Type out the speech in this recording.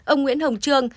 ông nguyễn hồng trương